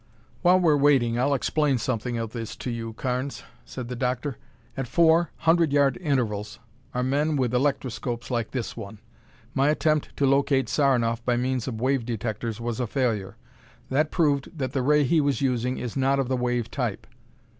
"While we're waiting, I'll explain something of this to you, Carnes," said the doctor. "At four hundred yard intervals are men with electroscopes like this one. My attempt to locate Saranoff by means of wave detectors was a failure. That proved that the ray he was using is not of the wave type.